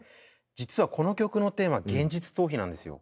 実はこの曲のテーマ現実逃避なんですよ。